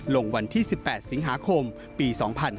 ลงวันที่๑๘สิงหาคมปี๒๕๕๙